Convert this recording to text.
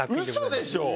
嘘でしょ？